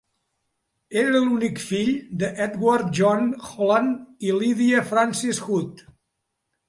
Era l'únic fill d'Edward John Holland i Lydia Frances Hood.